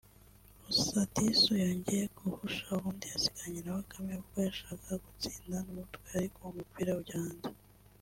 Lusadisu yongeye guhusha ubundi asigaranye na Bakame ubwo yashakaga gutsinda n’umutwe ariko umupira ujya hanze